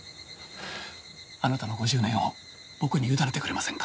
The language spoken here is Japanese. あなたの５０年を僕に委ねてくれませんか？